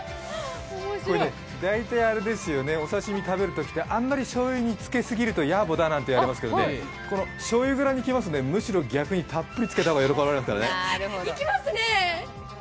これね、大体お刺身食べるときってあんまりしょうゆにつけ過ぎるとやぼだなんて言われますがしょうゆ蔵に来ますと、むしろ逆にたっぷりつけた方が喜ばれます。